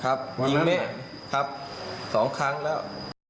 ครับยิงแม่๒ครั้งแล้ว